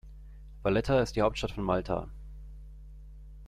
Valletta ist die Hauptstadt von Malta.